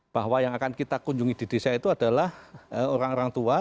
bahwa yang akan kita kunjungi di desa itu adalah orang orang tua